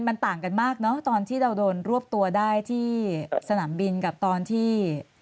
มันต่างกันมากเนอะตอนที่เราโดนรวบตัวได้ที่สนามบินกับตอนที่